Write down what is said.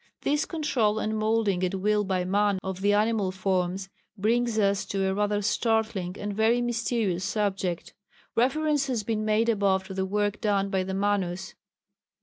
This control and moulding at will by man of the animal forms brings us to a rather startling and very mysterious subject. Reference has been made above to the work done by the Manus.